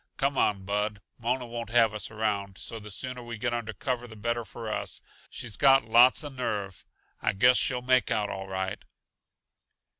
Come on, Bud. Mona won't have us around, so the sooner we get under cover the better for us. She's got lots uh nerve; I guess she'll make out all right."